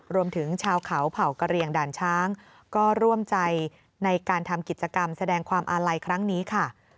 รวมถึงชาวเขาเผ่ากระเรียงด่านช้างก็ร่วมใจในการทำกิจกรรมแสดงความอาลัยครั้งนี้ค่ะ